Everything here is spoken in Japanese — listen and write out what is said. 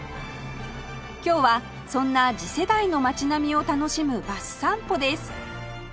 今日はそんな次世代の街並みを楽しむバス散歩です